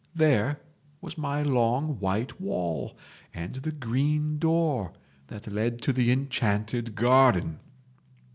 there was my long white wall and the green door that led to the enchanted garden!